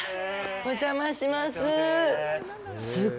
お邪魔します。